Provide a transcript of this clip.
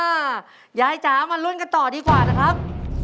ยายจ๋ามาลุ้นกันต่อดีกว่านะครับ